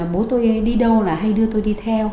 bố tôi đi đâu hay đưa tôi đi theo